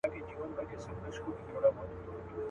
هم د زرو موږكانو سكه پلار يم.